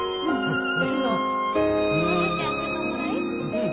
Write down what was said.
うん。